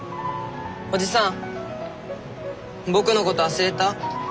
おじさん僕のこと忘れた？